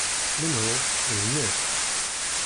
Menhu?" "D nekk.